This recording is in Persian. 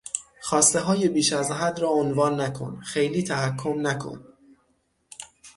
خواستههای بیش از حد را عنوان نکن!، خیلی تحکم نکن!